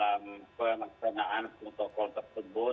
ini maupun peraturan gubernur yang menjadi dasar untuk seluruh aktivitas tersebut